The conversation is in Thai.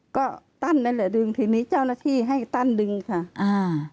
ก็ตั้นนั่นแหละดึงทีนี้เจ้าหน้าที่ให้ตั้นดึงค่ะอ่า